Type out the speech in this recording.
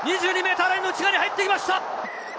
２２ｍラインの内側に入ってきました。